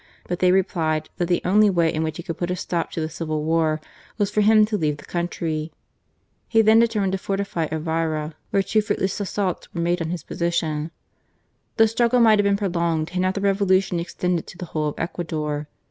But they replied that the only way in which he could put a stop to the Civil War was for him to leave the country. He then determined to fortify Elvira, where two fruitless assaults were made on his position. The struggle might have been pro longed had not the Revolution extended to the whole of Ecuador.